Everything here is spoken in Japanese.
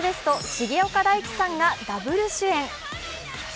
重岡大毅さんがダブル主演。